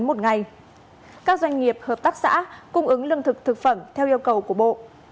một ngày các doanh nghiệp hợp tác xã cung ứng lương thực thực phẩm theo yêu cầu của bộ